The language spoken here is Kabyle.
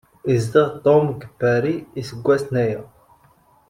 Izdegh Tum g pari isggwasn aya.